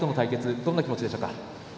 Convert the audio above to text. どんな気持ちでしたか。